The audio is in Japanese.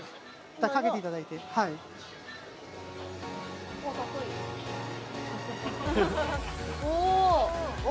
かけていただいて・うわ